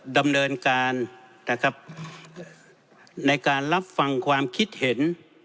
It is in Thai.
ดำเนินการนะครับในการรับฟังความคิดเห็น